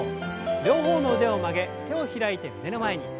両方の腕を曲げ手を開いて胸の前に。